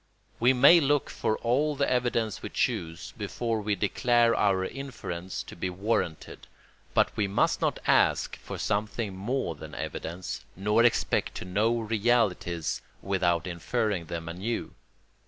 We may look for all the evidence we choose before we declare our inference to be warranted; but we must not ask for something more than evidence, nor expect to know realities without inferring them anew.